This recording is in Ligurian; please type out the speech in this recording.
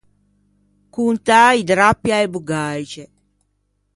Contâ i drappi a-a bugaixe.